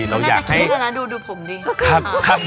น่าจะคิดแล้วนะดูผมดี